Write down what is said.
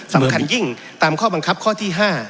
สำคัญยิ่งตามข้อบังคับข้อที่๕